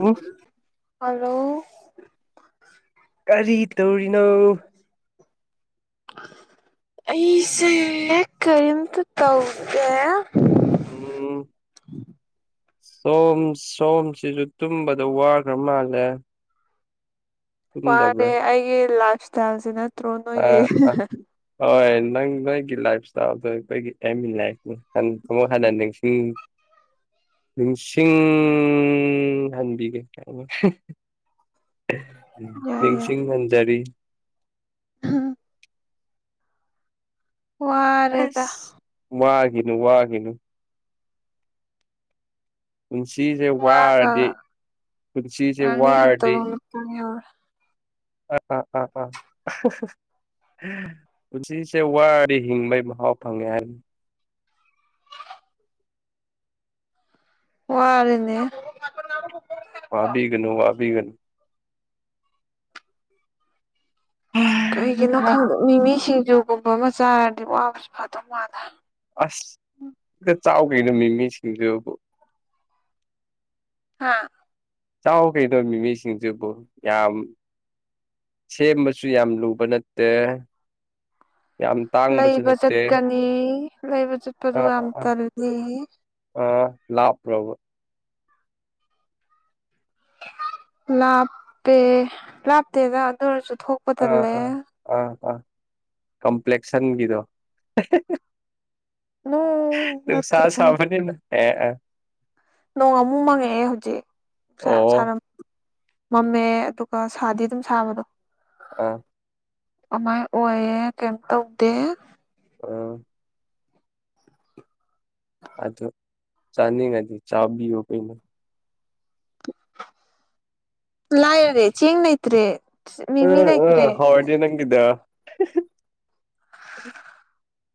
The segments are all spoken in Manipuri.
ꯎꯝ ꯍꯜꯂꯣ ꯀꯔꯤ ꯇꯧꯔꯤꯅꯣ ꯑꯩꯁꯦ ꯀꯔꯤꯝꯇ ꯇꯧꯒꯦ ꯑꯣ ꯁꯣꯝ ꯁꯣꯝꯁꯤꯁꯨ ꯇꯨꯝꯕꯗ ꯋꯥꯈ꯭ꯔ ꯃꯥꯜꯂꯦ ꯇꯨꯝꯗꯕ꯭ꯔꯥ ꯋꯥꯔꯦ ꯑꯩꯒꯤ ꯂꯥꯏꯐ ꯏꯁꯇꯥꯏꯜꯁꯤꯅ ꯑꯥ ꯑꯥ ꯍꯣꯏ ꯅꯪ ꯅꯣꯏꯒꯤ ꯂꯥꯏꯐ ꯏꯁꯇ ꯅꯣꯏꯒꯤ ꯑ ꯂꯥꯏ ꯑꯃꯨꯛ ꯍꯟꯅ ꯅꯤꯡꯁꯤꯡ ꯅꯤꯡꯁꯤꯡ ꯍꯥꯟꯕꯤꯒꯦ ꯍꯥꯏ ꯌꯥꯏ ꯅꯤꯡꯁꯤꯡ ꯃꯟꯖꯔꯤ ꯑꯝ ꯋꯥꯔꯦꯗ ꯋꯥꯒꯤꯅꯨ ꯋꯥꯒꯤꯅꯨ ꯄꯨꯟꯁꯤꯁꯦ ꯋꯥꯒ ꯋꯥꯔꯗꯤ ꯄꯨꯟꯁꯤꯁꯦ ꯋꯥꯔꯗꯤ ꯑ ꯑ ꯑꯥ ꯑꯥ ꯑ ꯄꯨꯟꯁꯤꯁꯦ ꯋꯥꯔꯗꯤ ꯍꯤꯡꯕꯩ ꯃꯍꯥꯎ ꯐꯪꯉꯦ ꯍꯥꯏꯅꯤ ꯋꯥꯔꯅꯦ ꯋꯥꯕꯤꯒꯅꯣ ꯋꯥꯕꯤꯒꯅꯨ ꯀꯩꯒꯤꯅꯣ ꯑꯁ ꯈꯪꯗ ꯃꯤꯃꯤ ꯁꯤꯡꯖꯨꯒꯨꯝꯕ ꯑꯃ ꯆꯥꯔꯗꯤ ꯋꯥꯕꯁꯨ ꯐꯥꯗꯧ ꯃꯥꯜꯂꯦ ꯑꯁꯇ ꯆꯥꯎ ꯀꯩꯅꯣ ꯃꯤ ꯃꯤꯁꯤꯡꯗꯨꯕꯨ ꯍꯥꯥ ꯆꯥꯎ ꯀꯩꯗꯧ ꯃꯤꯃꯤꯁꯤꯡꯁꯤꯕꯨ ꯌꯥꯝ ꯁꯦꯝꯕꯁꯨ ꯌꯥꯝ ꯂꯨꯕ ꯅꯠꯇꯦ ꯌꯥꯝ ꯇꯥꯡꯕꯁꯨ ꯂꯩꯕ ꯅꯠꯇꯦ ꯆꯠꯀꯅꯤ ꯂꯩꯕ ꯆꯠꯄꯗꯨ ꯌꯥꯝ ꯇꯜꯜꯂꯤ ꯑ ꯂꯥꯞ꯭ꯔꯕ ꯂꯥꯞꯄꯦ ꯂꯥꯞꯇꯦꯗ ꯑꯗꯨ ꯑꯣꯏꯔꯁꯨ ꯊꯣꯛ ꯑꯥ ꯑꯥ ꯑꯥ ꯑꯥ ꯀꯝꯄ꯭ꯂꯦꯛꯁꯟꯒꯤꯗꯣ ꯅꯣ ꯑꯗꯨ ꯆꯥ ꯅꯠꯇꯦ ꯁꯕꯅꯤꯅ ꯑꯦ ꯑ ꯅꯣꯡ ꯑꯃꯨꯛ ꯃꯪꯉꯛꯑꯦ ꯍꯧꯖꯤꯛ ꯑꯣ ꯁꯥꯔꯝ ꯃꯃꯦ ꯑꯗꯨꯒ ꯁꯥꯗꯤ ꯑꯗꯨꯝ ꯁꯥꯕꯗꯣ ꯑ ꯑꯗꯨꯃꯥꯏ ꯑꯣꯏꯌꯦꯦ ꯀꯩꯝ ꯇꯧꯗꯦ ꯑ ꯑꯗꯨ ꯆꯥꯅꯤꯡꯉꯗꯤ ꯆꯥꯕꯤꯌꯨ ꯀꯩꯅꯣ ꯂ ꯌꯔꯤ ꯆꯦꯡꯅꯩꯇꯔꯤ ꯑ ꯑ ꯍꯥꯎꯗꯤ [unintelligible] ꯌꯦ ꯅꯪꯒꯤꯗꫭ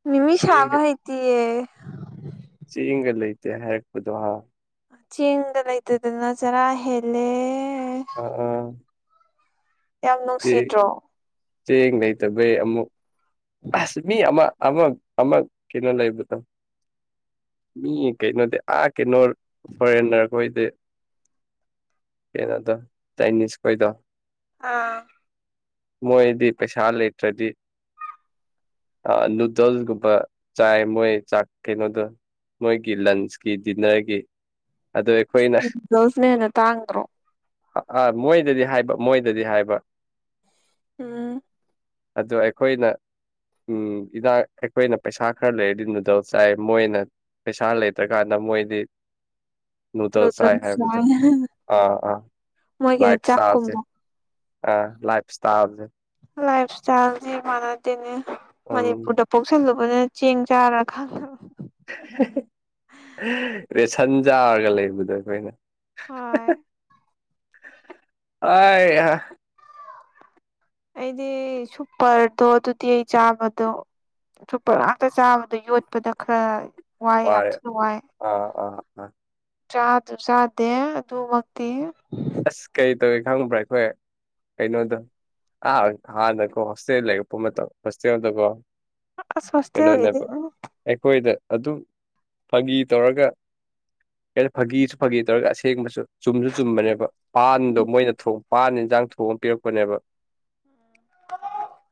ꯃꯤ ꯃꯤ ꯁꯥꯕꯍꯩꯇꯤꯌ‌ꯦ ꯆ‌ꯦꯡꯒ ꯂꯩꯇ‌ꯦ ꯍꯥꯏꯔꯛꯄꯗꯣ ꯍꯥ ꯆ‌ꯦꯡꯒ ꯂꯩꯇꯗꯅ ꯆꯔꯥ ꯍ‌ꯦꯜꯂꯦ ꯑ ꯑꯥ ꯌꯥꯝ ꯆꯦꯡ ꯅꯨꯡꯁꯤꯗ꯭ꯔꯣ ꯆꯦꯡ ꯂꯩꯇꯕꯩ ꯑꯃꯨꯛ ꯑꯁ ꯃꯤ ꯑꯃ ꯑꯃ ꯑꯃ ꯀꯩꯅꫭ ꯂꯩꯕꯗꯣ ꯃꯤ ꯀꯩꯅꯣꯗꯤ ꯑꯥ ꯀꯩꯅꯣ ꯐꯣꯔꯦꯟꯅꯔꯈꯣꯏꯗꯤ ꯀꯩꯅꯣꯗꯣ ꯆꯥꯏꯅꯤꯁ ꯈꯣꯏꯗꯣ ꯑꯥ ꯃꯣꯏꯗꯤ ꯄꯩꯁꯥ ꯂꯩꯇ꯭ꯔꯗꯤ ꯑꯥ ꯅꯨꯗꯜꯁꯒꯨꯝꯕ ꯆꯥꯏ ꯃꯣꯏ ꯆꯥꯛ ꯀꯩꯅꯣꯗꯨ ꯃꯣꯏꯒꯤ ꯂꯟꯁꯀꯤ ꯗꯤꯟꯅꯔꯒꯤ ꯑꯗꫭ ꯑꯩꯈꯣꯏꯅ ꯅꯨꯗꯜꯁꯅ ꯍꯦꯟꯅ ꯇꯥꯡꯗ꯭ꯔꯣ ꯑꯥ ꯃꯣꯏꯗꯗꯤ ꯍꯥꯏꯕ ꯃꯣꯏꯗꯗꯤ ꯍꯥꯏꯕ ꯎꯝ ꯑꯗꯨ ꯑꯩꯈꯣꯏꯅ ꯎꯝ ꯏꯅꯥꯛ ꯑꯩꯈꯣꯏꯅ ꯄꯩꯁꯥ ꯈꯔ ꯂꯩꯔꯗꯤ ꯅꯨꯗꯜꯁ ꯆꯥꯏ ꯃꯣꯏꯅ ꯄꯩꯁꯥ ꯂꯩꯇ꯭ꯔꯀꯥꯟꯗ ꯃꯣꯏꯗꯤ ꯅꯨꯗꯜꯁ ꯆꯥꯏ ꯍꯥꯏꯕꯗꯨ ꯑꯥ ꯑꯥ ꯃꯣꯏꯒꯤꯅ ꯂꯥꯏꯐ ꯏꯁꯇꯥꯜꯁꯦ ꯆꯥꯛꯀꯨꯝꯕ ꯑ ꯂꯥꯏꯐ ꯁꯇꯥꯏꯜꯁꯦ ꯂꯥꯏꯐ ꯏꯁꯇꯥꯏꯜꯁꯦ ꯃꯥꯟꯅꯗꯦꯅꯦ ꯎꯝ ꯃꯅꯤꯄꯨꯔꯗ ꯄꯣꯛꯁꯜꯂꯨꯕꯅ ꯆꯦꯡ ꯆꯥꯔ ꯈꯥꯡꯇꯕ ꯔꯦꯁꯟꯖꯥꯔꯒ ꯂꯩꯕꯗꯣ ꯑꯩꯈꯣꯏꯅ ꯍꯣꯏ [unintelligible] ꯑꯩꯗꯤ ꯁꯨꯄꯔꯗꯣ ꯑꯗꯨꯗꯤ ꯑꯩ ꯆꯥꯕꯗꯣ ꯁꯨꯄꫪ ꯉꯥꯛꯇ ꯆꯥꯕꯗꯣ ꯌꯣꯠꯄꯗ ꯈꯔ ꯋꯥꯏ ꯌꯥꯝ ꯋꯥꯔꯦ ꯊꯤꯅ ꯋꯥꯏ ꯑꯥ ꯑꯥ ꯑꯥ ꯆꯥꯗꯨ ꯆꯥꯗ‌ꯦ ꯑꯗꯨꯃꯛꯇꯤ ꯑꯁ ꯀꯩ ꯇꯧꯋ‌ꯦ ꯈꯪꯕ꯭ꯔꯥ ꯑꯩꯈꯣꯏ ꯀꯩꯅꯣꯗꫭ ꯑ ꯍꯥꯟꯅꯀꯣ ꯍꯣꯁꯇꯦꯜ ꯂꯩꯔꯛꯄ ꯃꯇꯝ ꯍꯣꯁꯇꯦꯜꯗꯀꯣ ꯑꯁ ꯍꫭꯁꯇ‌ꯦꯜꯒꯤꯗꯤ ꯀꯩꯅꯣꯅꯦꯕ ꯑ ꯑꯩꯈꯣꯏꯗ ꯑꯗꯨꯝ ꯐꯪꯒꯤ ꯇꯧꯔꯒ ꯑꯩꯅ ꯐꯥꯒꯤꯁꯨ ꯐꯥꯒꯤ ꯇꯧꯔꯒ ꯑꯁꯦꯡꯕꯁꯨ ꯆꯨꯝꯁꯨ ꯆꯨꯝꯕꯅꯦꯕ ꯄꯥꯟꯗꯣ ꯃꯣꯏꯅꯣ ꯊꫭꯡ ꯄꯥꯟ ꯏꯟꯁꯥꯡ ꯊꯣꯡꯉ ꯄꯤꯔꯛꯄꯅꯦꯕ ꯑ [unintelligible]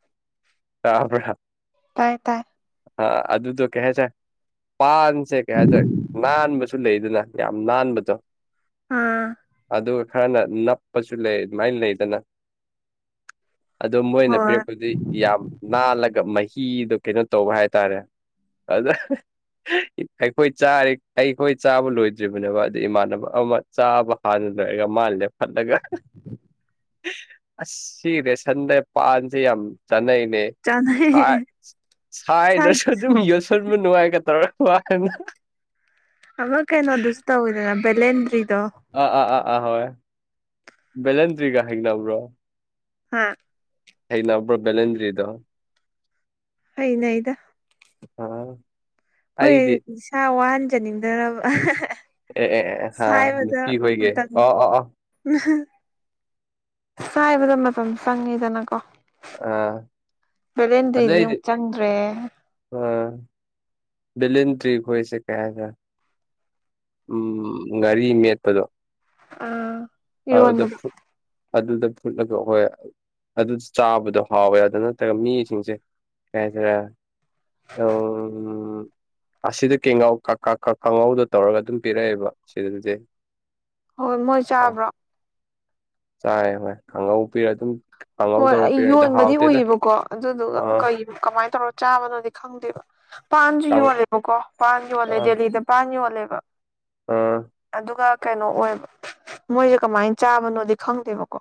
ꯇꯥ꯭ꯕꯔꯥ ꯇꯥꯏ ꯇꯥꯏ ꯑ ꯑꯗꯨꯗꯣ ꯀꯩ ꯍꯥꯏꯇꯥꯔꯦ ꯄꯥꯟꯁꯦ ꯀꯩ ꯍꯥꯏꯇꯥꯔꯦ ꯅꯥꯟꯕꯁꯨ ꯂꯩꯗꯅ ꯌꯥꯝ ꯅꯥꯟꯕꯗꯣ ꯑꯥ ꯑꯗꯨ ꯈꯔꯅ ꯅꯞꯄꯁꯨ ꯂꯩ ꯑꯗꯨꯃꯥꯏꯅ ꯂꯩꯗꯅ ꯑꯗꯣ ꯃꯣꯏꯅ ꯍꯣꯏ ꯄꯤꯔꯛꯄꯗꯤ ꯌꯥꯝ ꯅꯥꯜꯂꯒ ꯃꯍꯤꯗꯣ ꯀꯩꯅꯣ ꯇꯧꯕ ꯍꯥꯏꯇꯥꯔꯦ ꯑꯗꯥ ꯑꯩꯈꯣꯏ ꯆꯥꯔꯤ ꯑꯩꯈꯣꯏ ꯆꯥꯕ ꯂꯣꯏꯗ꯭ꯔꯤꯕꯅꯦꯕ ꯑꯗꯥ ꯏꯃꯥꯟꯅꯕ ꯑꯃ ꯆꯥꯕ ꯍꯥꯟꯅ ꯂꯣꯏꯔꯒ ꯃꯥꯟꯅ ꯂ‌ꯦꯞꯈꯠꯂꯒ ꯑꯁ ꯁꯤ ꯔꯦꯁꯟꯗ ꯄꯥꯟꯁꯦ ꯌꯥꯝ ꯆꯥꯅꯩꯅꯦ ꯆꯥꯅꯩ ꯁꯥꯏꯠ ꯁꯥꯏꯗꯔꯁꯨ ꯑꯗꯨꯝ ꯌꯣꯠꯁꯤꯟꯕ ꯅꯨꯡꯉꯥꯏꯒꯗꯧꯔ ꯋꯥꯅ ꯑꯃ ꯀꯩꯅꯣꯗꯨꯁꯨ ꯇꯧꯋꯤꯗꯅ ꯚ‌ꯦꯂ‌ꯦꯟꯗꯔꯤꯗꫭ ꯑꯥ ꯑꯥ ꯑꯥ ꯑꯥ ꯍꯣꯏ ꯕꯦꯂꯦꯟꯇ꯭ꯔꯤꯒ ꯍꯩꯅꯕ꯭ꯔꯣ ꯍꯥ ꯍꯩꯅꯕꯔꫭ ‌ꯕ‌ꯦꯂꯦꯟ꯭ꯗꯔꯤ ꯗꫭ ꯑꯩꯅ ꯍꯥꯏꯗ ꯑꯥ ꯍꯣꯏ ꯑꯩꯗꯤ ꯏꯁꯥ ꯋꯥꯍꯟꯖꯅꯤꯡꯗꯔꯕ ꯑꯦ ꯑꯦ ꯍꯥꯥ ꯅꯨꯄꯤ ꯍꯒꯦ ꯑꯣ ꯑ ꯑ ꯎꯝ ꯆꯥꯏꯕꯗ ꯃꯇꯝ ꯆꯪꯉꯤꯗꯅꯀꯣ ꯑꯥ ꯕꯦꯂꯦꯟꯗ꯭ꯔꯤꯗꯤ ꯑꯃꯨꯛ ꯆꯪꯗ꯭ꯔꯦ ꯑ ꯂꯤꯟ ꯇꯔꯤꯛ ꯍꯣꯏꯁ ꯀꯌꯥꯖ ꯎꯝ ꯉꯥꯔꯤ ꯃꯦꯠꯄꯗꯣ ꯎꯟ ꯑꯗꯨꯗ ꯑꯗꯨꯗ ꯐꯨꯠꯂꯒ ꯍꯣꯏ ꯑꯗꯨ ꯆꯥꯕꯗꯣ ꯍꯥꯎꯋꯦ ꯑꯗꯨꯗ ꯅꯠꯇ꯭ꯔꯒ ꯃꯤꯁꯤꯡꯁꯦ ꯀꯩ ꯍꯥꯏꯇꯥꯔꯦ ꯑꯣ ꯑꯁꯤꯗ ꯀꯦꯒꯥꯎ ꯈꯥꯍꯥꯎꯗ ꯇꯧꯔꯒ ꯑꯗꯨꯝ ꯄꯤꯔꯛꯑꯦꯕ ꯁꯤꯗꯗꯤ ꯍꯣꯏ ꯃꯣꯏ ꯑꯥꯎ ꯆꯥꯕ꯭ꯔꯣ ꯆꯥꯏ ꯍꯣꯏ ꯀꯥꯡꯉꯧ ꯄꯤꯔ ꯑꯗꯨꯝ ꯀꯥꯡꯉꯧ ꯍꯣꯏ ꯇꯧꯔ ꯑꯩ ꯄꯤꯔꯛꯑꯦꯗ ꯌꯣꯟꯕꯗꯤ ꯍꯥꯎꯇꯦꯗ ꯎꯏꯌꯦꯕꯀꯣ ꯑꯗꯨꯗꯨꯒ ꯑꯥ ꯀꯩ ꯀꯃꯥꯏꯅ ꯇꯧꯔ ꯆꯥꯕꯅꯣꯗꯤ ꯈꯪꯗꯦꯕ ꯄꯥꯟꯁꯨ ꯀꯥꯡ ꯌꯣꯜꯂꯦꯕꯀꯣ ꯄꯥꯟ ꯌꯣꯜꯂꯦ ꯑꯥ ꯗꯦꯂꯤꯗ ꯄꯥꯟ ꯌꯣꯜꯂꯦꯕ ꯑꯥ ꯑꯗꯨꯒ ꯀꯩꯅꯣ ꯑꯣꯏꯕ ꯃꯣꯏꯁꯦ ꯀꯃꯥꯏꯅ ꯆꯥꯕꯅꯣꯗꯤ ꯈꯪꯗꯦꯕꯀꯣ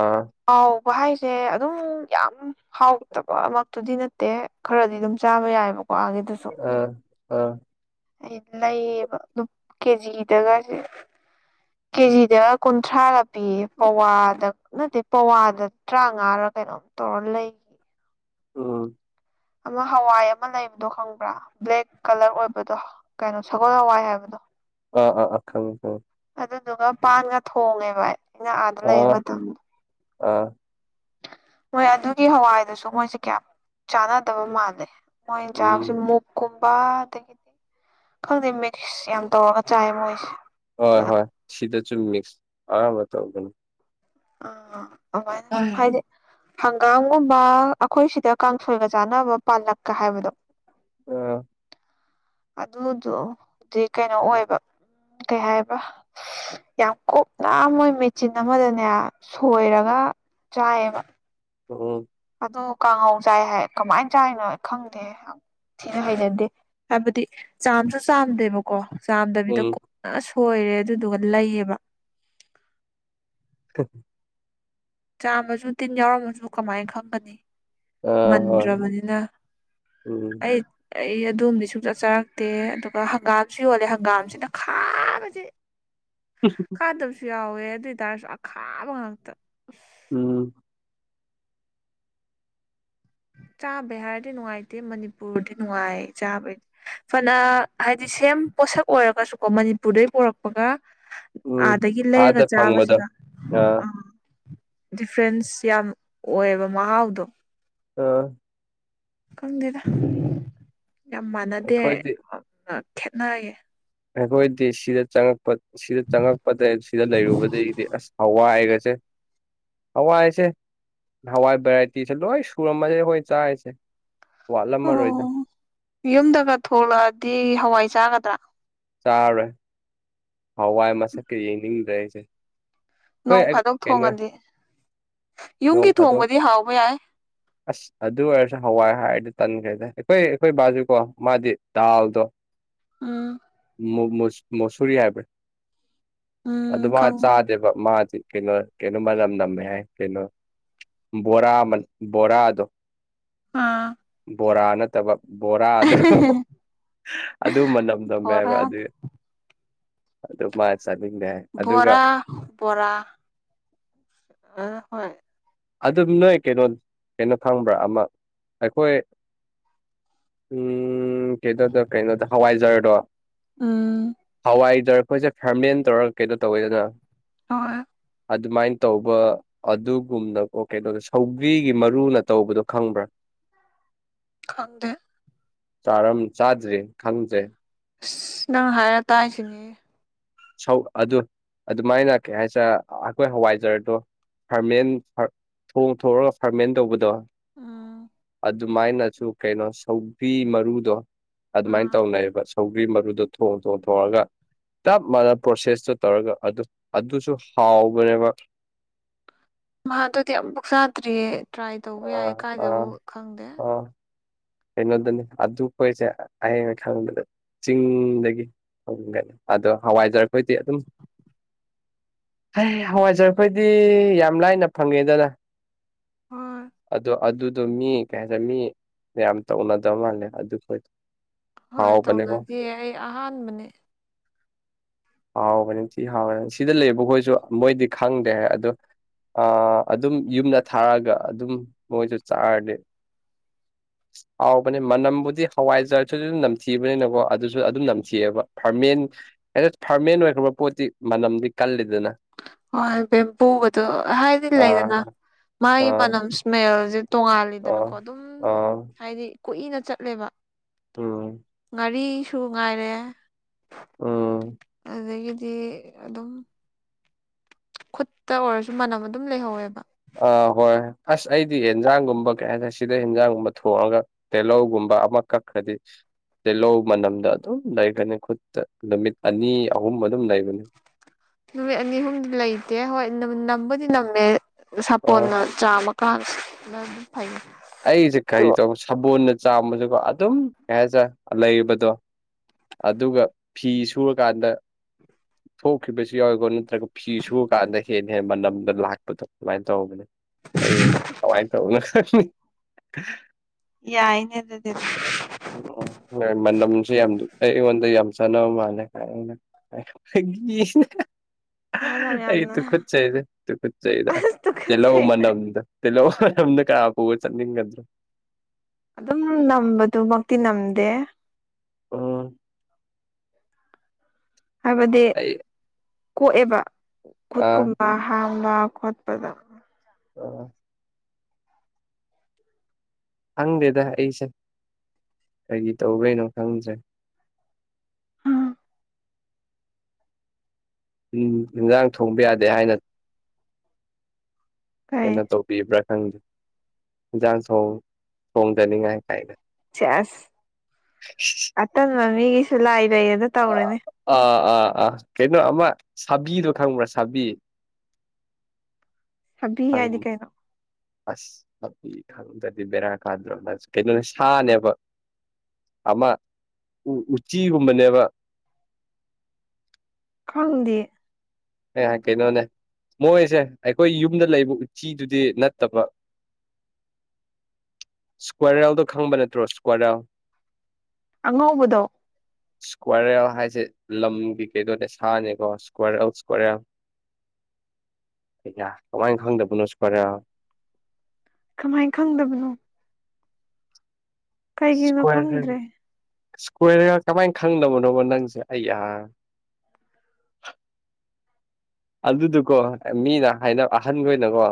ꯑꯥ ꯀꯥꯎꯕ ꯍꯥꯏꯁꯦ ꯑꯗꯨꯝ ꯌꯥꯝ ꯍꯥꯎꯇꯕ ꯑꯃꯛꯇꯨꯗꯤ ꯅꯠꯇꯦ ꯈꯔꯗꯤ ꯑꯗꯨꯝ ꯆꯥꯕ ꯌꯥꯏꯑꯕꯀꯣꯒꯤꯗꯨꯁꯨ ꯑꯥ ꯑꯥ ꯑꯩ ꯂꯩꯌꯦꯕ ꯑꯗꯨ ꯀꯦꯖꯤꯗꯒꯁꯦ ꯀꯦꯖꯤꯗ ꯀꯨꯟꯊ꯭ꯔꯥꯒ ꯄꯤꯌꯦ ꯄꯋꯥꯗ ꯅꯠꯇꯦ ꯄꯋꯥꯗ ꯇꯔꯥꯃꯉꯥꯔ ꯀꯩꯅꯣꯝ ꯇꯧꯔ ꯂꯩꯌꯦ ꯎꯟ ꯑꯃ ꯍꯋꯥꯏ ꯑꯃ ꯂꯩꯕꯗꯣ ꯈꯪꯕ꯭ꯔꯥ ꯕ꯭ꯂꯦꯛ ꯀꯂꯔ ꯑꯣꯏꯕꯗꯣ ꯀꯩꯅꯣ ꯁꯒꯣꯜ ꯍꯋꯥꯏ ꯍꯥꯏꯕꯗꯣ ꯑ ꯑ ꯑ ꯈꯪꯉꯦ ꯑꯗꯨꯗꯨꯒ ꯄꯥꯟꯒ ꯊꯣꯡꯉꯦꯕ ꯑꯩꯅ ꯑꯥꯗ ꯂꯩꯕ ꯑꯥ ꯃꯇꯝꯗ ꯑꯥ ꯃꯣꯏ ꯑꯗꯨꯒꯤ ꯍꯋꯥꯏꯗꯨꯁꯨ ꯃꯣꯏꯁꯦ ꯀꯌꯥꯝ ꯆꯥꯟꯅꯗꯕ ꯃꯥꯜꯂꯦ ꯃꯣꯏꯅꯥ ꯆꯥꯕꯁꯦ ꯎꯝ ꯃꯨꯛ ꯀꯨꯝꯕ ꯑꯗꯒꯤꯗꯤ ꯈꯪꯗꯦ ꯃꯤꯛꯁ ꯌꯥꯝ ꯇꯧꯔꯒ ꯆꯥꯏ ꯃꯣꯏꯁꯦ ꯍꯣꯏ ꯍꯣꯏ ꯁꯤꯗꯁꯨꯨ ꯃꯤꯛꯁ ꯑꯅꯝꯕ ꯇꯧꯒꯅꯤ ꯑꯥ ꯑꯗꯨꯃꯥꯏꯅꯥ ꯍꯥꯏꯗꯤ ꯍꯪꯒꯥꯝꯒꯨꯝꯕ ꯑꯩꯈꯣꯏ ꯁꯤꯗ ꯀꯥꯡꯁꯣꯏꯒ ꯆꯥꯅꯕ ꯄꯥꯜꯂꯛꯀ ꯍꯥꯏꯕꯗꯣ ꯑ ꯑꯗꯨꯗꯣꯗꯤ ꯀꯩꯅꯣ ꯑꯣꯏꯕ ꯀꯩ ꯍꯥꯏꯕ ꯌꯥꯝ ꯀꯨꯞꯅ ꯃꯣꯏ ꯃꯦꯆꯤꯟ ꯑꯃꯗꯅꯦ ꯁꯣꯏꯔꯒ ꯆꯥꯏꯌꯦꯕ ꯑꯣ ꯑꯗꯨ ꯀꯥꯡꯍꯧ ꯆꯥꯏ ꯍꯥꯏ ꯀꯃꯥꯏꯅ ꯆꯥꯏꯅꯣ ꯈꯪꯗꯦ ꯊꯤꯅ ꯍꯩꯩꯅꯗꯦ ꯍꯥꯏꯕꯗꯤ ꯆꯥꯝꯁꯨ ꯆꯥꯝꯗꯦꯕ ꯀꯣ ꯆꯥꯝꯗꯕꯤꯗ ꯎꯝ ꯀꯨꯞꯅ ꯁꯣꯏꯔꯦ ꯑꯗꯨꯗꯨꯒ ꯂꯩꯌꯦꯕ ꯇ ꯆꯥꯝꯃꯁꯨ ꯇꯤꯟ ꯌꯥꯎꯔꯝꯃꯁꯨ ꯀꯃꯥꯏꯅ ꯈꯪꯒꯅꯤ ꯑ ꯍꯣꯏ ꯃꯟꯗ꯭ꯔꯕꯅꯤꯅ ꯎꯝ ꯑꯩ ꯑꯩ ꯑꯗꯨꯗꯣꯝꯗꯤ ꯁꯨꯡꯆꯥꯆꯔꯛꯇꯦ ꯑꯗꯨꯒ ꯍꯪꯒꯥꯝꯁꯨ ꯌꯣꯜꯂꯦ ꯍꯪꯒꯥꯝꯁꯤꯅ ꯈꯥ ꯈꯥꯕꯁꯦ ꯈꯥꯗꯕꯁꯨ ꯌꯥꯎꯋꯦ ꯑꯗꯨ ꯑꯣꯏꯇꯥꯔꯁꯨ ꯑꯈꯥꯕ ꯉꯥꯛꯇ ꯎꯝ ꯆꯥꯕꯩ ꯍꯥꯏꯔꯗꯤ ꯅꯨꯡꯉꯥꯏꯇꯦ ꯃꯅꯤꯄꯨꯔꯗꯤ ꯅꯨꯡꯉꯥꯏ ꯆꯥꯕꯩ ꯐꯅ ꯍꯥꯏꯗꯤ ꯁꯦꯝ ꯄꯣꯠꯁꯛ ꯑꯣꯏꯔꯒꯁꯨꯀꯣ ꯃꯅꯤꯄꯨꯔꯗꯩ ꯄꯨꯔꯛꯄꯒ ꯎꯝ ꯑꯥꯗꯒꯤ ꯂꯩꯔꯒ ꯑꯥꯗ ꯐꯪꯕꯗꯣ ꯆꯥꯕꯁꯤꯒ ꯑ ꯑꯥ ꯗꯤꯐ꯭ꯔꯦꯟꯁ ꯌꯥꯝ ꯑꯣꯏꯌꯦꯕ ꯃꯍꯥꯎꯗꯣ ꯑꯥ ꯈꯪꯗꯦꯗ ꯌꯥꯝ ꯃꯥꯟꯅꯗꯦ ꯑꯩꯈꯣꯏꯗꯤ ꯈꯦꯠꯅꯩꯌꯦꯦ ꯑꯩꯈꯣꯏꯗꯤ ꯁꯤꯗ ꯆꯪꯉꯛꯄ ꯁꯤꯗ ꯆꯪꯉꯛꯄꯗ ꯁꯤꯗ ꯂꯩꯔꯨꯕꯗꯒꯤꯗꯤ ꯑꯁ ꯍꯋꯥ ꯍꯥꯏꯒꯁꯦ ꯍꯋꯥ ꯍꯥꯏꯁꯦ ꯍꯋꯥꯏ ꯚꯦꯔꯥꯏꯇꯤꯁꯦ ꯂꯣꯏ ꯁꯨꯔꯝꯃꯁꯦ ꯍꯈꯣꯏ ꯆꯥꯔꯤꯁꯦ ꯋꯥꯠꯂꯝꯃꯔꯣꯏꯗ ꯑꯣ ꯌꯨꯝꯗꯒ ꯊꯣꯛꯂꯛꯑꯗꯤ ꯍꯋꯥꯏ ꯆꯥꯒꯗ꯭ꯔꯥ ꯆꯥꯎꯥꯔꯦ ꯍꯋꯥꯏ ꯃꯁꯛꯀ ꯌꯦꯡꯅꯤꯡꯗ꯭ꯔꯦꯁꯦ ꯅꯣꯡ ꯐꯥꯗꯣꯛ ꯊꯣꯡꯉꯗꯤ ꯌꯨꯝꯒꯤ ꯅꯣꯡ ꯐꯥꯗꯣꯛ ꯊꯣꯡꯕꯗꯤ ꯍꯥꯎꯕ ꯌꯥꯏ ꯑꯁ ꯑꯗꯨ ꯑꯣꯏꯔꯁꯨ ꯍꯋꯥꯏ ꯍꯥꯏꯔꯗꯤ ꯇꯟꯈ꯭ꯔꯦꯗ ꯑꯩꯈꯣꯏ ꯑꯩꯈꯣꯏ ꯕꯥꯖꯨꯀꯣ ꯃꯥꯗꯤ ꯗꯥꯜꯗꯣ ꯎꯝ ꯃꯁꯔꯤ ꯍꯥꯏꯕ ꯑꯗꯨ ꯎꯝ ꯃꯥ ꯈꯪ ꯆꯥꯗꯦꯕ ꯃꯥꯗꯤ ꯀꯩꯅꯣ ꯀꯩꯅꯣ ꯃꯅꯝ ꯅꯝꯃꯦ ꯍꯥꯏ ꯀꯩꯅꯣ ꯕꯣꯔꯥ ꯑꯃꯅꯤ ꯕꯣꯔꯥꯗꯣ ꯎꯝ ꯕꯣꯔꯥ ꯅꯠꯇꯕ ꯕꯣꯔꯥ ꯑꯗꯨ ꯑꯗꯨ ꯃꯅꯝ ꯅꯝꯃꯦꯕ ꯕꯣꯔꯥ ꯑꯗꯨꯒꯤ ꯑꯗꯨ ꯃꯥ ꯆꯅꯤꯡꯅꯦ ꯍꯥꯏ ꯑꯗꯨꯒ ꯕꯣꯔꯥ ꯕꯣꯔꯥ ꯑ ꯍꯣꯏ ꯑꯗꯨꯝ ꯅꯣꯏ ꯀꯩꯅꯣ ꯀꯩꯅꯣ ꯐꯪꯕ꯭ꯔꯥ ꯑꯃ ꯑꯩꯈꯣꯏ ꯎꯝ ꯀꯗꯗ ꯀꯩꯅꯣꯗ ꯍꯋꯥꯏꯖꯔꯗꯣ ꯎꯝ ꯍꯋꯥꯏꯖꯔ ꯑꯩꯈꯣꯏꯁꯦ ꯐꯦꯃꯤꯂꯤꯅ ꯇꯧꯔꯒ ꯀꯩꯗꯣ ꯇꯧꯋꯦꯗꯅ ꯍꯣꯏ ꯑꯗꯨꯃꯥꯏꯅ ꯇꯧꯕ ꯑꯗꯨꯒꯨꯝꯅ ꯑꯣꯀꯦ ꯑꯗꯣ ꯁꯧꯕ꯭ꯔꯤꯒꯤ ꯃꯔꯨꯅ ꯇꯧꯕꯗꯣ ꯈꯪꯕ꯭ꯔꯥ ꯈꯪꯗꯦ ꯆꯥꯗ꯭ꯔꯤ ꯈꯪꯗ꯭ꯔꯦ ꯑꯁ ꯅꯪ ꯍꯥꯏꯔ ꯇꯥꯁꯤꯅꯦ ꯁꯧ ꯑꯗꯨ ꯑꯗꯨꯃꯥꯏꯅ ꯀꯩ ꯍꯥꯏꯁꯔꯦ ꯑꯩꯈꯣꯏ ꯍꯋꯥꯏꯖꯔꯗꯣ ꯐꯥꯔꯃꯦꯟ ꯊꯣꯡ ꯊꯑꯒ ꯐꯥꯔꯃꯦꯟ ꯇꯧꯕꯗꯣ ꯎꯥ ꯑꯗꯨꯃꯥꯏꯅꯁꯨ ꯀꯩꯅꯣ ꯁꯧꯕꯤ ꯃꯔꯨꯗꯣ ꯑꯗꯨꯃꯥꯏꯅ ꯑꯥ ꯇꯧꯅꯩꯕ ꯊꯧꯒ꯭ꯔꯤ ꯃꯔꯨꯗ ꯊꯣꯡ ꯊꯣꯡ ꯊꯣꯡꯉꯒ ꯃꯥꯅ ꯄ꯭ꯔꯣꯁꯦꯁꯇꯨ ꯇꯧꯔꯒ ꯑꯗꯨ ꯑꯗꯨꯁꯨ ꯍꯥꯎꯕꯅꯦꯕ ꯃꯍꯥꯛꯗꯨꯗꯤ ꯌꯥꯝ ꯄꯨꯛ ꯆꯥꯗ꯭ꯔꯤꯌꯦ ꯇ꯭ꯔꯥꯏ ꯇꯧꯕ ꯌꯥꯏ ꯑꯥ ꯑꯥ ꯀꯥꯏꯗꯕꯨ ꯈꯪꯗꯦ ꯑꯥ ꯀꯩꯅꯣꯗꯅꯤ ꯑꯗꯨꯈꯣꯏꯁꯦ ꯑꯌꯦ ꯈꯪꯕꯗ ꯆꯤꯡꯗꯒꯤ ꯩꯅ ꯑꯗꯣ ꯍꯋꯥꯏꯖꯔꯈꯣꯏꯗꯤ ꯑꯗꯨꯝ ꯍ ꯍꯋꯥꯏꯖꯔꯈꯣꯏꯗꯤ ꯌꯥꯝ ꯂꯥꯏꯅ ꯐꯪꯉꯦꯗꯅ ꯍꯣꯏ ꯑꯗꯣ ꯑꯗꯨꯗꯣ ꯃꯤ ꯀꯩ ꯍꯥꯏꯇꯥꯔꯦ ꯃꯤ ꯌꯥꯝ ꯇꯧꯅꯗꯕ ꯃꯥꯜꯂꯦ ꯑꯗꯨ ꯈꯣꯏꯗ ꯍꯣꯏ ꯇꯧꯅꯗ ꯑꯩ ꯑꯍꯥꯟꯕꯅꯦ ꯍꯥꯎꯕꯅꯤ ꯅꯤꯡꯊꯤ ꯍꯥꯎꯕꯅꯤ ꯁꯤꯗ ꯂꯩꯕꯈꯣꯏꯁꯨ ꯃꯣꯏꯗꯤ ꯈꯪꯗ꯭ꯔꯦ ꯍꯥꯏ ꯑꯗꯣ ꯑ ꯑꯗꯨꯝ ꯌꯨꯝꯗ ꯊꯥꯔꯒ ꯑꯗꯨꯝ ꯃꯣꯏꯁꯨ ꯆꯥꯔꯗꯤ [inaudible] ꯍꯥꯎꯕꯅꯦ ꯃꯅꯝꯕꯨꯗꯤ ꯍꯋꯥꯏꯖꯥꯔꯁꯨ ꯑꯗꯨꯝ ꯅꯝꯊꯤꯕꯅꯤꯅꯀꯣ ꯑꯗꯨꯁꯨ ꯑꯗꯨꯝ ꯅꯝꯊꯤꯑꯕ ꯐꯥꯔꯃꯦꯟ ꯍꯦꯛꯇ ꯐꯥꯔꯃꯦꯟ ꯑꯣꯏꯈ꯭ꯔꯕ ꯄꯣꯠꯇꯤ ꯃꯅꯝꯗꯤ ꯀꯜꯂꯤꯗꯅ ꯍꯣꯏ ꯕꯦꯝꯕꯨꯒꯗꯣ ꯍꯥꯏꯗꯤ ꯂꯩꯗꯅ ꯑꯥ ꯃꯥꯒꯤ ꯑꯥ ꯃꯅꯝ ꯏꯁꯃꯦꯜꯁ ꯑꯥ ꯇꯣꯡꯉꯥꯂꯗꯅꯀꯣ ꯑꯗꯨꯝ ꯑꯥ ꯍꯥꯏꯗꯤ ꯀꯨꯏꯅ ꯆꯠꯂꯦꯕ ꯎꯝ ꯉꯥꯔꯤꯁꯨ ꯉꯥꯏꯔꯦ ꯑꯣ ꯑꯗꯨꯗꯒꯤꯗꯤ ꯑꯗꯨꯝ ꯈꯨꯠꯇ ꯑꯣꯏꯔꯁꯨ ꯃꯅꯝ ꯑꯗꯨꯝ ꯂꯩꯍꯧꯋꯦꯕ ꯑꯥ ꯍꯣꯏ ꯑꯁ ꯑꯩꯗꯤ ꯌꯦꯟꯖꯥꯡꯒꯨꯝꯕ ꯀꯩ ꯍꯥꯏꯇꯥꯔꯦ ꯁꯤꯗ ꯑꯦꯟꯖꯥꯡꯒꯨꯝꯕ ꯊꯣꯡꯑꯒ ꯇꯤꯍꯧꯒꯨꯝꯕ ꯑꯃꯈꯛꯈꯗꯤ ꯇꯤꯜꯂꯧ ꯃꯅꯝꯗ ꯑꯗꯨꯝ ꯂꯩꯒꯅꯤ ꯈꯨꯠꯇ ꯅꯨꯃꯤꯠ ꯑꯅꯤ ꯑꯍꯨꯝ ꯑꯗꯨꯝ ꯂꯩꯕꯅꯤ ꯅꯨꯃꯤꯠ ꯑꯅꯤ ꯑꯍꯨꯝꯗꯤ ꯂꯩꯇꯦ ꯍꯣꯏ ꯅꯝꯕꯨꯗꯤ ꯅꯝꯃꯦ ꯑꯥ ꯁꯥꯄꯣꯟꯅ ꯆꯥꯝꯃ ꯀꯅ ꯑꯗꯨꯝ ꯐꯩ ꯑꯩꯖꯦ ꯇꯣ ꯀꯔꯤ ꯇꯧꯕ ꯁꯥꯄꯣꯝꯅ ꯆꯥꯝꯕꯖꯦꯀꯣ ꯑꯗꯨꯝ ꯀꯩ ꯍꯥꯏꯇꯔꯦ ꯂꯩꯕꯗꯣ ꯑꯗꯨꯒ ꯐꯤ ꯁꯨꯔꯀꯥꯟꯗ ꯊꯣꯛꯈꯤꯕꯁꯨ ꯌꯥꯎꯋꯦꯀꯣ ꯅꯠꯇ꯭ꯔꯒ ꯐꯤ ꯁꯨꯨꯔꯀꯥꯟꯗ ꯍꯦꯟꯅ ꯍꯦꯟꯅ ꯃꯅꯝꯗ ꯂꯥꯛꯄꯗꯣ ꯑꯗꯨꯃꯥꯏ ꯇꯧꯕꯅꯦ ꯑꯩ ꯑꯋꯥꯏ ꯇꯅ ꯌꯥꯏꯅꯦꯗꯗꯤ ꯎꯝ ꯎꯝ ꯃꯅꯝꯖꯦ ꯌꯥꯝ ꯑꯩ ꯑꯩꯉꯣꯟꯗ ꯌꯥꯝ ꯆꯥꯟꯅꯕ ꯃꯥꯜꯂꯦ ꯐꯒꯤ ꯃꯅꯝ ꯑꯩ ꯌꯥꯝꯅ ꯇꯨ ꯀꯠꯆꯩꯗ ꯇꯨꯀꯠꯆꯩꯗ ꯑꯁ ꯇꯦꯜꯂꯧ ꯇꯨꯀꯠꯆꯩꯗ ꯃꯅꯝꯗ ꯇꯂꯣ ꯅꯝꯅ ꯀꯄ ꯆꯅꯤꯡꯒꯗ꯭ꯔꯣ ꯑꯗꯨꯝ ꯅꯝꯕꯗꯨꯃꯛꯇꯤ ꯅꯝꯗꯦ ꯑ ꯍꯥꯏꯕꯗꯤ ꯑꯩ ꯀꯣꯛꯑꯦꯕ ꯑꯥ ꯈꯨꯠꯀꯨꯝꯕ ꯍꯥꯝꯕ ꯈꯣꯠꯄꯗ ꯑꯣ ꯈꯪꯗꯦꯗ ꯑꯩꯁꯦ ꯀꯒꯤ ꯇꯧꯕꯩꯅꯣ ꯈꯪꯗ꯭ꯔꯦ ꯎꯝ ꯏꯟꯖꯥꯡ ꯊꯣꯡꯕ ꯌꯥꯗꯦ ꯍꯥꯏꯅ ꯀꯩ ꯀꯩꯅꯣ ꯇꯧ ꯄꯕꯤꯕ꯭ꯔꯥ ꯈꯪꯗꯦ ꯑꯤꯟꯖꯡꯁꯣꯛ ꯊꯣꯡꯗꯅꯤꯡꯉꯥꯏ ꯀꯥꯏꯅ ꯁꯦꯁ ꯑꯇꯟꯕ ꯃꯤꯒꯤꯁꯨ ꯂꯥꯏ ꯂꯩꯌꯦꯅ ꯑꯥ ꯇꯧꯔꯦꯅꯦ ꯑꯥ ꯑꯥ ꯑꯥ ꯀꯩꯅꯣ ꯑꯃ ꯁꯥꯕꯤꯗꯣ ꯈꯪꯕ꯭ꯔꯥ ꯁꯥꯕꯤ ꯁꯥꯕꯤ ꯍꯥꯏ ꯍꯥꯏꯗꯤ ꯀꯩꯅꯣ ꯑꯁ ꯑꯗꯨꯗꯤ ꯈꯪꯗ꯭ꯔꯦ ꯕꯦꯔꯥ ꯀꯥꯗ꯭ꯔꯣ ꯀꯩꯅꯣꯅꯦ ꯁꯥꯅꯦꯕ ꯑꯃ ꯎꯆꯤꯒꯨꯝꯕꯅꯦꯕ ꯈꯪꯗꯦ ꯀꯩꯅꯣꯅꯦ ꯃꯣꯏꯁꯦ ꯑꯩꯈꯣꯏ ꯌꯨꯝꯗ ꯂꯩꯕ ꯎꯆꯤꯗꯨꯗꯤ ꯅꯠꯇꯕ ꯏꯁꯀ꯭ꯋꯥꯔꯦꯜꯗꯣ ꯈꯪꯕ ꯅꯠꯇ꯭ꯔꯣ ꯏꯁ꯭ꯀ꯭ꯋꯥꯔꯦꯜ ꯑꯉꯕꯗꯣ ꯏꯁꯀ꯭ꯋꯥꯔꯦꯜ ꯍꯥꯏꯁꯦ ꯂꯝꯒꯤ ꯀꯩꯗꯣꯅꯦ ꯁꯥꯅꯦꯀꯣ ꯏꯁꯀ꯭ꯋꯥꯔꯦꯜ [unintelligible] ꯀꯃꯥꯏꯅ ꯈꯪꯗꯕꯅꯣ [unintelligible] ꯀꯃꯥꯏꯅ ꯈꯪꯗꯕꯅꯣ ꯀꯩꯒꯤꯅꯣ ꯏꯁꯀꯣꯌꯔ ꯈꯪ ꯈꯪꯗ꯭ꯔꯦ ꯏꯁꯀꯣꯌꯔ ꯀꯃꯥꯏ ꯈꯪꯗꯕꯅꯣꯕ ꯅꯪꯁꯦ ꯑꯩ ꯑ ꯑꯗꯨꯗꯨꯀꯣ ꯃꯤꯅ ꯍꯥꯏꯅꯕ ꯑꯍꯟꯈ ꯑꯣꯏꯅꯀꯣ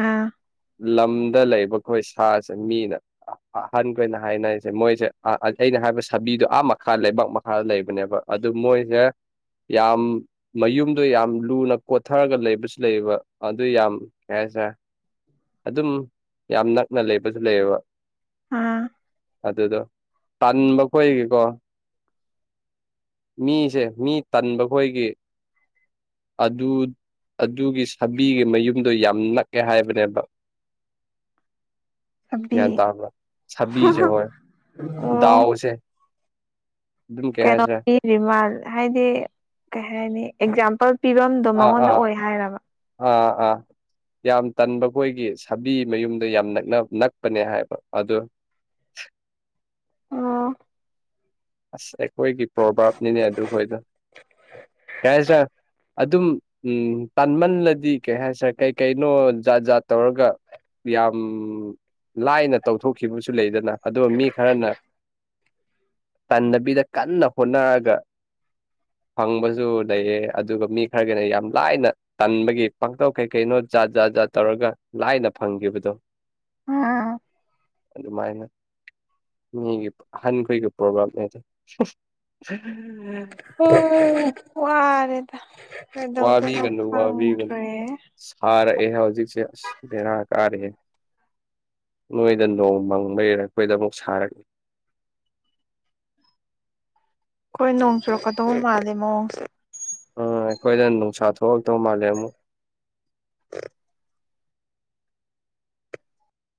ꯑꯥ ꯂꯝꯗ ꯂꯩꯕ ꯑꯩꯈꯣꯏ ꯁꯥꯁꯦ ꯃꯤꯅ ꯑꯍꯟꯈꯣꯏꯅ ꯍꯥꯏꯅꯔꯤꯁꯦ ꯃꯣꯏꯁꯦ ꯑꯩꯅ ꯍꯥꯏꯕ ꯁꯥꯕꯤꯗꯣ ꯑꯥ ꯃꯈꯥ ꯂꯩꯕꯥꯛ ꯂꯩꯕꯅꯦꯕ ꯑꯗꯨ ꯃꯣꯏꯁꯦ ꯌꯥꯝ ꯃꯌꯨꯝꯗꯣ ꯌꯥꯝ ꯂꯨꯅ ꯀꯣꯠꯊꯔꯒ ꯂꯩꯕꯁꯨ ꯂꯩꯌꯦꯕ ꯑꯗꯨ ꯌꯥꯝ ꯀꯩ ꯍꯥꯏꯁꯔꯦ ꯑꯗꯨꯝ ꯌꯥꯝ ꯅꯛꯅ ꯂꯩꯕꯁꯨ ꯂꯩꯌꯦꯕ ꯎꯝ ꯑꯗꯨꯗꯣ ꯇꯟꯕ ꯈꯣꯣꯏꯒꯦꯀꯣ ꯃꯤꯁꯦ ꯃꯤ ꯇꯟꯕ ꯈꯣꯏꯒꯤ ꯑꯗꯨ ꯑꯗꯨꯒꯤ ꯁꯥꯕꯤꯒꯤ ꯃꯌꯨꯝꯗꯣ ꯌꯥꯝ ꯅꯛꯑꯦ ꯍꯥꯏꯕꯅꯦꯕ ꯁꯥꯕꯤ ꯒ꯭ꯌꯥꯟ ꯇꯥꯕ꯭ꯔ ꯥꯁꯕꯤꯁꯦ ꯍꯣꯏ ꯑꯣ ꯗꯥꯎꯁꯦ ꯑꯗꯨꯝ ꯀꯩ ꯍꯥꯏꯁꯤꯔꯦ ꯀꯩꯅꯣꯅꯤ ꯔꯤꯃꯥꯟ ꯍꯥꯏꯗꯤ ꯀꯩ ꯍꯥꯏꯅꯤ ꯑꯦꯛꯖꯥꯝꯄꯜ ꯄꯤꯕꯝꯗꯣ ꯑꯥ ꯃꯉꯣꯟꯗ ꯑꯥ ꯑꯣꯏ ꯍꯥꯏꯔꯕ ꯑꯥ ꯑꯥ ꯌꯥꯝ ꯇꯟꯕ ꯑꯩꯈꯣꯏꯒꯤ ꯁꯥꯕꯤ ꯃꯌꯨꯝꯗ ꯌꯥꯝ ꯅꯛ ꯅꯛꯄꯅꯦ ꯍꯥꯏꯕ ꯑꯗ ꯑꯣ ꯑꯁ ꯑꯩꯈꯣꯏꯒꯤ ꯄ꯭ꯔꯣꯕꯥꯥꯞꯅꯤꯅꯦ ꯑꯗꯨꯈꯣꯏꯗꯣ ꯀꯥꯏ ꯁꯥ ꯑꯗꯨꯝ ꯎꯝ ꯇꯥꯟꯃꯜꯂꯗꯤ ꯀꯩ ꯍꯥꯏꯁꯔꯦ ꯀꯩ ꯀꯩꯅꯣ ꯖꯥꯠ ꯖꯥꯠ ꯇꯧꯔꯒ ꯌꯥꯝ ꯂꯥꯏꯅ ꯇꯧꯊꯣꯛꯈꯤꯕꯁꯨ ꯂꯩꯗꯅ ꯑꯗꯨꯒ ꯃꯤ ꯈꯔꯅ ꯇꯅꯕꯤꯗ ꯀꯟꯅ ꯍꯣꯠꯅꯔꯒ ꯐꯪꯕꯁꯨ ꯂꯩꯌꯦ ꯑꯗꯨꯒ ꯃꯤ ꯈꯔꯒꯤꯅ ꯌꯥꯝ ꯂꯥꯏꯅ ꯇꯟꯕꯒꯤ ꯄꯥꯡꯇꯧ ꯀꯩ ꯀꯩꯅꯣ ꯖꯥꯠ ꯖꯥ ꯖꯥꯠ ꯇꯧꯔꯒ ꯂꯥꯏꯅ ꯐꯪꯈꯤꯕꯗꯣ ꯑꯗꯨꯃꯥꯏꯅ ꯃꯤꯒꯤ ꯑꯍꯟꯈꯣꯏꯒꯤ ꯣꯝ ꯗꯗꯨ ꯈꯥꯟ ꯔ ꯁꯥꯔꯛꯑꯦꯍ ꯍꯧꯖꯤꯛꯁꯦ ꯑꯁ ꯕꯦꯔꯥ ꯀꯥꯔꯦ ꯅꯣꯏꯗ ꯅꯣꯡꯃꯪꯕꯩꯔꯛꯄꯣꯏꯗ ꯑꯃꯨꯛ ꯁꯥꯔꯛꯂꯤ ꯍꯈꯣꯏ ꯅꯣꯡ ꯆꯨꯔꯛꯀꯗꯧꯕ ꯃꯥꯜꯂꯦ ꯃꯑꯣ ꯎꯝ ꯑꯩꯈꯣꯏꯗ ꯅꯨꯡꯁꯥ ꯊꯣꯛꯂꯛꯇꯧ ꯃꯥꯜꯂꯦ ꯑꯃꯨꯛ ꯎ